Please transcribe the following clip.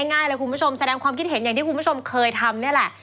ง่ายเลยคุณผู้ชมแสดงความคิดเห็นอย่างที่คุณผู้ชมเคยทำนี่แหละ